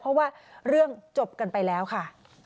เพราะว่าเรื่องจบกันไปแล้วค่ะ